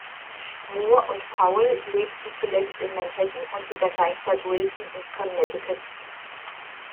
Moore und Powell lebten zuletzt in Manhattan und in der Kleinstadt Wilton in Connecticut.